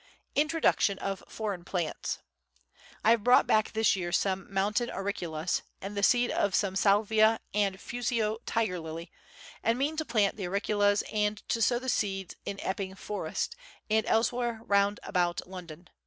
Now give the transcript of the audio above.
Introduction of Foreign Plants I have brought back this year some mountain auriculas and the seed of some salvia and Fusio tiger lily, and mean to plant the auriculas and to sow the seeds in Epping Forest and elsewhere round about London.